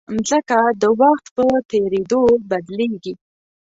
مځکه د وخت په تېرېدو بدلېږي.